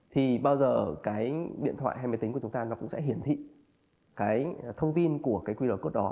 thì bao giờ điện thoại hay máy tính của chúng ta cũng sẽ hiển thị thông tin của qr code đó